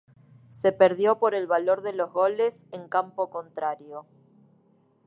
Se perdió por el valor de los goles en campo contrario.